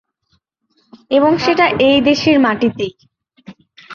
এবং সেটা এই দেশের মাটিতেই।